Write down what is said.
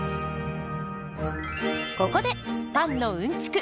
ここでパンのうんちく